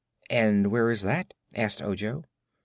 "And where is that?" asked Ojo.